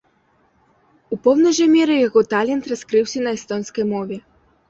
У поўнай жа меры яго талент раскрыўся на эстонскай мове.